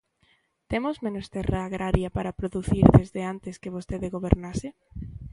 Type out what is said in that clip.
¿Temos menos terra agraria para producir desde antes que vostede gobernase?